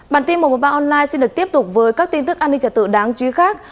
bản tin một trăm một mươi ba online xin được tiếp tục với các tin tức an ninh trật tự đáng chú ý khác